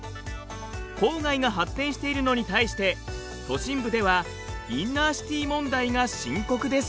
郊外が発展しているのに対して都心部ではインナーシティ問題が深刻です。